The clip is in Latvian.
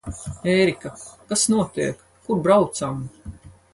Ērika, kas notiek? Kur braucam?